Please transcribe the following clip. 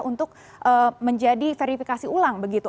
untuk menjadi verifikasi ulang begitu